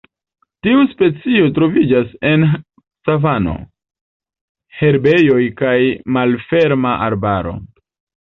Tiu specio troviĝas en savano, herbejoj kaj malferma arbaro.